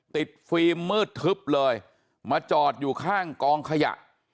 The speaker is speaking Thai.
ฟิล์มมืดทึบเลยมาจอดอยู่ข้างกองขยะ